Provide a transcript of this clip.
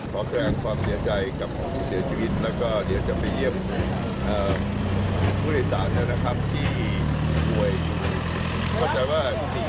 ขอแสวงความเยียดใจกับผู้ที่เสียชีวิตและก็เดี๋ยวจะไปเยี่ยมผู้โดยสารที่ป่วย